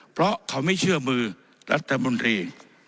เพราะเขาไม่เชื่อมือรัฐมนตรี